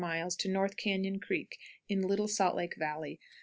North Cañon Creek. In Little Salt Lake Valley.